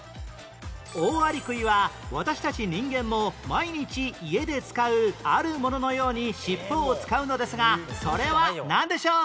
オオアリクイは私たち人間も毎日家で使うあるもののように尻尾を使うのですがそれはなんでしょう？